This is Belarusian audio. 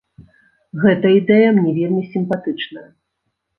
Гэта ідэя мне вельмі сімпатычная.